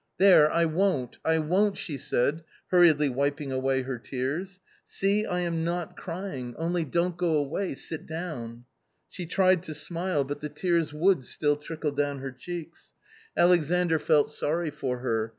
" There, I won't, I won't !" she said, hurriedly wiping away her tears ;" see, I am not crying, only don't go away, sit down." ^Sne tried to smile, but the tears would still trickle down her cheeks. Alexandr felt sorry for her.